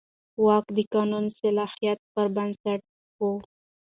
واک د قانوني صلاحیت پر بنسټ وي.